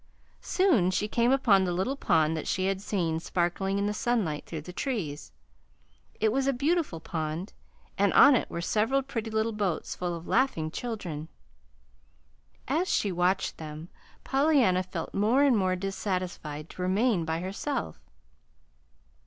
Soon she came upon the little pond that she had seen sparkling in the sunlight through the trees. It was a beautiful pond, and on it were several pretty little boats full of laughing children. As she watched them, Pollyanna felt more and more dissatisfied to remain by herself.